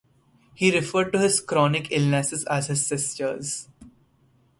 He referred to his chronic illnesses as his "sisters".